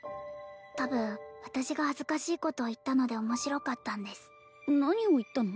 多分私が恥ずかしいことを言ったので面白かったんです何を言ったの？